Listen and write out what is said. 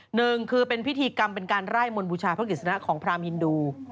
หนึ่งคือเป็นพิธีกรรมเป็นการไล่มนต์บูชาพระกิจสนะของพรามฮินดู